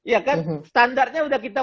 ya kan standarnya sudah kita